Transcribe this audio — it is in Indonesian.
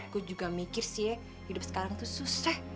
aku juga mikir sih ya hidup sekarang tuh susah